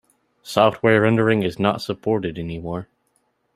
Software rendering is not supported anymore.